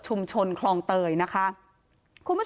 ชุมชนแฟลต๓๐๐๐๐คนพบเชื้อ๓๐๐๐๐คนพบเชื้อ๓๐๐๐๐คน